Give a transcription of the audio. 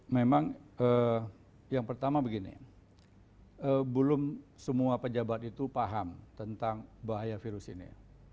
memang yang pertama begini belum semua pejabat itu paham tentang bahaya virus ini